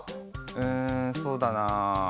うんそうだな。